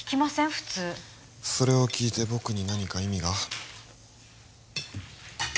普通それを聞いて僕に何か意味が？